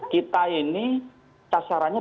kita ini tasarannya